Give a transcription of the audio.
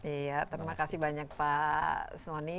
iya terima kasih banyak pak soni